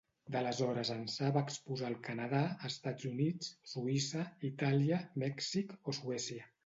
D'aleshores ençà va exposar al Canadà, Estats Units, Suïssa, Itàlia, Mèxic o Suècia.